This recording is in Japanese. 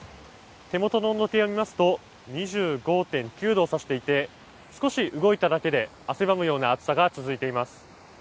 手元の温度計を見ますと２５．９度を指していて少し動いただけで、汗ばむような暑さが続いています。